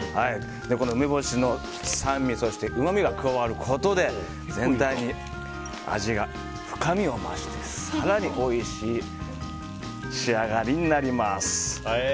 梅干しの酸味そして、うまみが加わることで全体に味が深みを増して更においしい仕上がりになります。